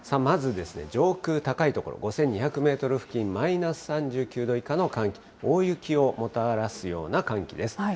まず上空高い所、５２００メートル付近、マイナス３９度以下の寒気、大雪をもたらすような寒気です。